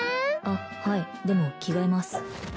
あっはいでも着替えます